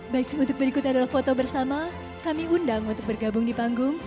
baik untuk berikutnya adalah foto bersama kami undang untuk bergabung di panggung